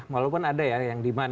walaupun ada ya yang demand